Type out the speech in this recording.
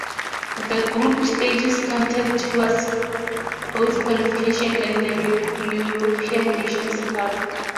The group stages counted towards both qualification and the European Nations Cup.